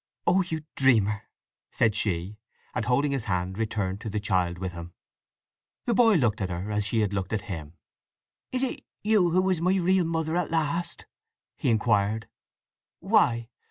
"Oh you dreamer!" said she, and holding his hand returned to the child with him. The boy looked at her as she had looked at him. "Is it you who's my real mother at last?" he inquired. "Why?